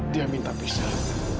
dia minta pisah